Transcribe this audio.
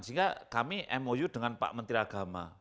sehingga kami mou dengan pak menteri agama